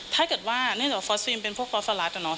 ถ้าเกิดว่าเนื่องจากว่าฟอสฟีมเป็นพวกฟอสฟาลัสนะ